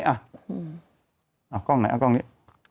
เอากล้องไหนเอากล้องนี้